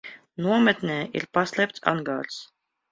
Nometnē ir paslēpts angārs.